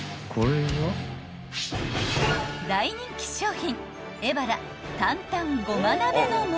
［大人気商品］